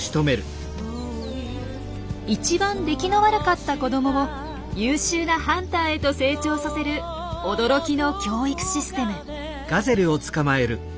一番出来の悪かった子どもを優秀なハンターへと成長させる驚きの教育システム。